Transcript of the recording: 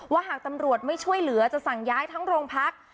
หากตำรวจไม่ช่วยเหลือจะสั่งย้ายทั้งโรงพัก